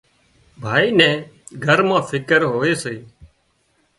ڀائي نين گھر مان فڪر هوئي سي